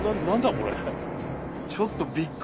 これ。